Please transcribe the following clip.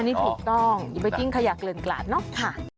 อันนี้ถูกต้องอย่าไปกิ้งขยะเกลือนกลาดเนอะค่ะ